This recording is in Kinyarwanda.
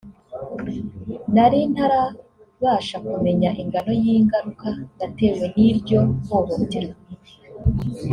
nari ntarabasha kumenya ingano y’ingaruka natewe n’iryo hohoterwa